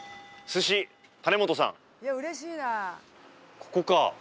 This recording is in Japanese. ここか。